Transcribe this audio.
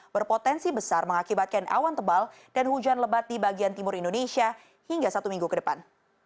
berpotensi besar mengakibatkan awan tebal dan hujan lebat di bagian timur indonesia hingga satu minggu ke depan